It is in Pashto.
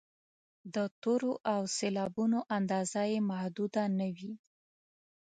د تورو او سېلابونو اندازه یې محدوده نه وي.